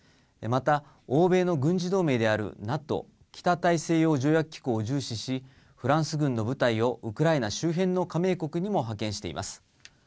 また、欧米の軍事同盟であるＮＡＴＯ・北大西洋条約機構を重視し、フランス軍の部隊をウクライナ周辺の加盟国にも派遣しています。